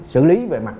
sử lý về mặt